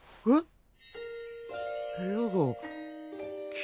あっ。